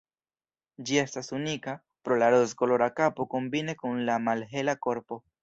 Ĝi estas unika pro la rozkolora kapo kombine kun la malhela korpo.